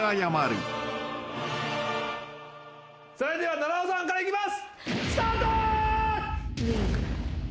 それでは菜々緒さんからいきます。